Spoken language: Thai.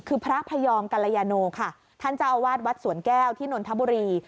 คือพระพยอมกัลยาโนค่ะท่านเจ้าอาวาสวัดสวนแก้วที่นนทบุรี